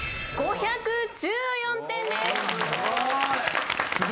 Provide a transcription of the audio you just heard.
５１４点です。